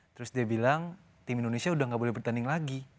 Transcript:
terus dia bilang tim indonesia udah gak boleh bertanding lagi